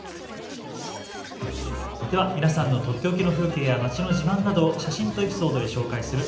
では皆さんのとっておきの風景や街の自慢などを写真とエピソードで紹介する＃